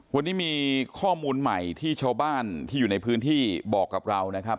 วันนี้มีข้อมูลใหม่ที่ชาวบ้านที่อยู่ในพื้นที่บอกกับเรานะครับ